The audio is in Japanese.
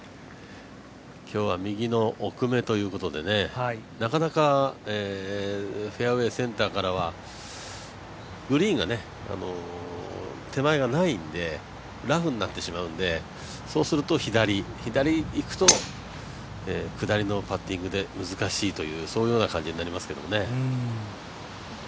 今日は右の奥目ということでなかなかフェアウエーセンターからはグリーンが、手前がないんでラフになってしまうんでそうすると左、左いくと下りのパッティングで難しい感じになりますけどね。